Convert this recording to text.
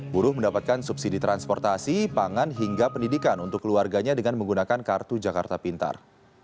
buruh mendapatkan subsidi transportasi pangan hingga pendidikan untuk keluarganya dengan menggunakan kartu jakarta pintar